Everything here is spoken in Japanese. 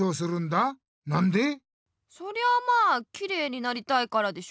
そりゃまあきれいになりたいからでしょ？